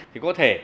thì có thể